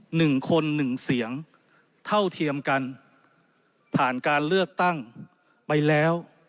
หนึ่งคนหนึ่งเสียงเท่าเทียมกันผ่านการเลือกตั้งไปแล้ว